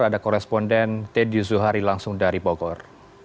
ada koresponden ted yusuhari langsung dari bogor